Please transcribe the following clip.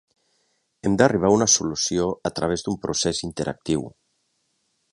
Hem d'arribar a una solució a través d'un procés interactiu.